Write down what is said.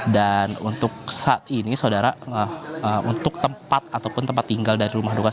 dan untuk saat ini saudara untuk tempat ataupun tempat tinggal dari rumah luka